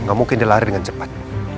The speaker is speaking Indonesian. gak mungkin dia lari dengan cepat